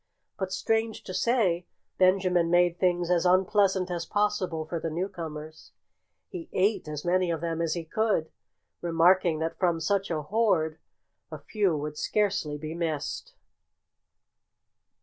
But, strange to say, Benjamin made things as unpleasant as possible for the newcomers. He ate as many of them as he could, remarking that from such a horde a few would scarcely be missed.